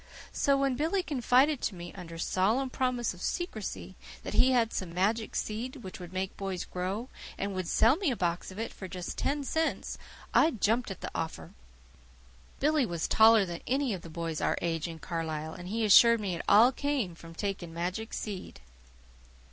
So when Billy confided to me, under solemn promise of secrecy, that he had some "magic seed," which would make boys grow, and would sell me a box of it for ten cents, I jumped at the offer. Billy was taller than any boy of his age in Carlisle, and he assured me it all came from taking magic seed.